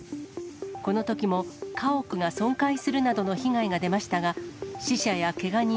このときも家屋が損壊するなどの被害が出ましたが、死者やけが人